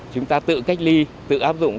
chúng ta tự cách ly tự áp dụng